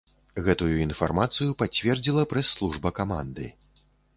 Гэтую інфармацыю пацвердзіла прэс-служба каманды.